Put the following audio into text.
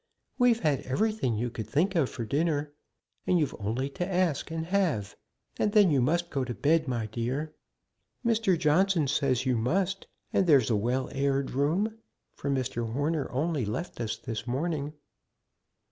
We've had everything you could think of for dinner, and you've only to ask and have. And then you must go to bed, my dear Mr. Johnson says you must; and there's a well aired room, for Mr. Horner only left us this morning."